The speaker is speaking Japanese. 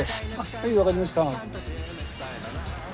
はい分かりました。